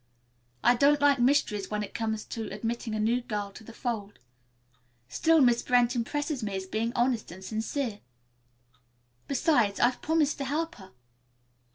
I don't like mysteries when it comes to admitting a new girl to the fold. Still, Miss Brent impresses me as being honest and sincere. Besides, I've promised to help her."